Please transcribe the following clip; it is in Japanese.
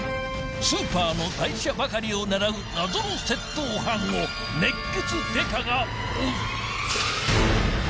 ［スーパの台車ばかりを狙う謎の窃盗犯を熱血刑事が追う］